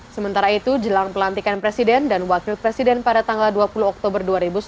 sementara itu jelang pelantikan presiden dan wakil presiden pada tanggal dua puluh oktober dua ribu sembilan belas